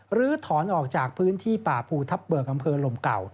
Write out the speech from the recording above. หรือถอนออกจากพื้นที่ป่าภูทับเบิกอำเภอลมเก่า